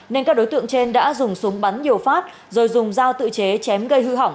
nên các đối tượng trên đã dùng súng bắn nhiều phát rồi dùng dao tự chế chém gây hư hỏng